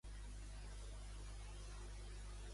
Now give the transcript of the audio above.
Montero creu que Podem és un bon candidat a la presidència?